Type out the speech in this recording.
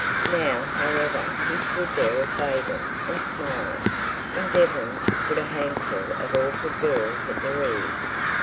Now, however, he stood there affable and smiling, endeavouring to put a handful of awkward girls at their ease.